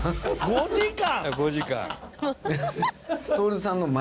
「５時間」